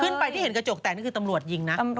ขึ้นไปที่เห็นกระจกแตกนี่คือตำรวจยิงนะ